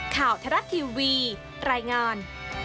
ข่าวทรัพย์ทีวีรายงาน